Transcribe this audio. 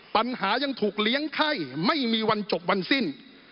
ปัญหายังถูกเลี้ยงไข้ไม่มีวันจบวันสิ้น